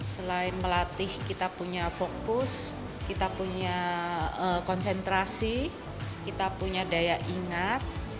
selain melatih kita punya fokus kita punya konsentrasi kita punya daya ingat